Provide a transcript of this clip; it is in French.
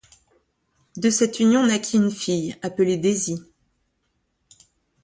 De cette union naquit une fille appelée Daisy.